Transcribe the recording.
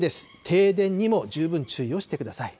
停電にも十分注意をしてください。